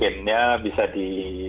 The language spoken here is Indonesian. atau gennya bisa di